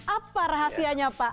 apa rahasianya pak